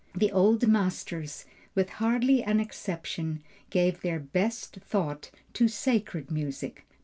The old masters with hardly an exception gave their best thought to sacred music.